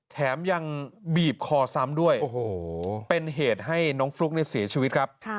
แถมยังบีบคอซ้ำด้วยเป็นเหตุให้น้องฟลุ๊กเสียชีวิตครับ